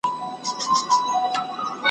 ستا چي خټه انګریزۍ ،خښته کږه ده.